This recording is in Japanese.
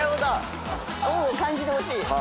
恩を感じてほしい。